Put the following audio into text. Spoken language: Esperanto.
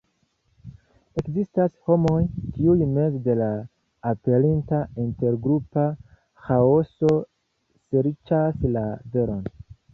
Ekzistas homoj, kiuj meze de la aperinta intergrupa ĥaoso serĉas la veron.